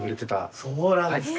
そうなんですか。